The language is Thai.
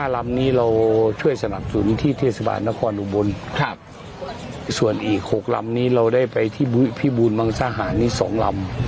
ลำนี้เราช่วยสนับสนุนที่เทศบาลนครอุบลส่วนอีก๖ลำนี้เราได้ไปที่พิบูรมังสาหารนี้๒ลำ